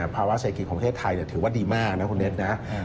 ภาวะเศรษฐกิจของประเทศไทยถือว่าดีมากนะคุณเน็ตนะ